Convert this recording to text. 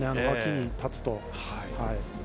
脇に立つと。